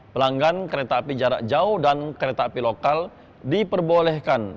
pelanggan kereta api jarak jauh dan kereta api lokal diperbolehkan